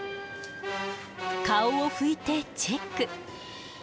顔を拭いてチェック。